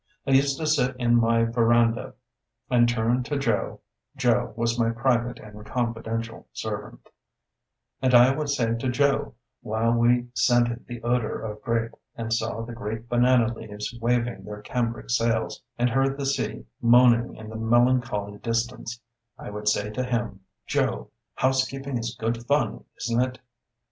I used to sit in my verandah and turn to Joe (Joe was my private and confidential servant), and I would say to Joe, while we scented the odour of grape, and saw the great banana leaves waving their cambric sails, and heard the sea moaning in the melancholy distance, I would say to him, "Joe, housekeeping is good fun, isn't it?"